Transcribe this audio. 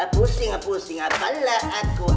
pusing pusing apalah aku